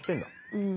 うん。